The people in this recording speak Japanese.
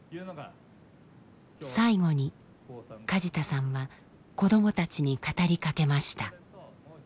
最後に梶田さんは子どもたちに語りかけました。